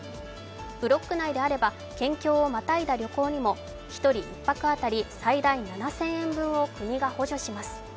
ブロック内であれば県境をまたいだ旅行にも１人１泊当たり最大７０００円を国が補助します。